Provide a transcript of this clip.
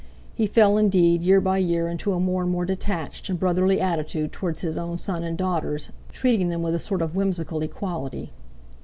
He fell, indeed, year by year into a more and more detached and brotherly attitude towards his own son and daughters, treating them with a sort of whimsical equality.